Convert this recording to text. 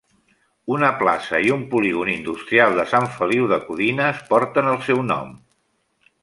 Una plaça i un polígon industrial de Sant Feliu de Codines porten el seu nom.